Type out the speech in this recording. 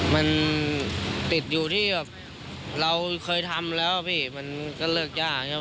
มันติดอยู่ที่เราเคยทำแล้วมันก็เลิกยากน่ะเปล่า